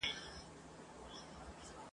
نن به دي اوښکي پاکوم سبا به دواړه ورځو ..